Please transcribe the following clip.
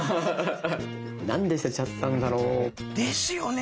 なんで捨てちゃったんだろ？ですよね！